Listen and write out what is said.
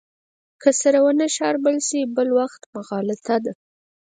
که سره ونه شاربل شي بل وخت مغالطه ده.